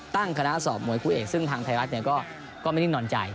ตั้งคณะอาสอบมวยครูเอกซ์ซึ่งทางไทยรัฐก็ไม่ได้นอนใจ